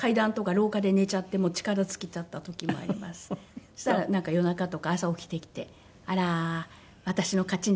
そしたら夜中とか朝起きてきて「あらー私の勝ちね」